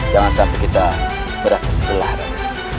jangan sampai kita berat tersebelah adel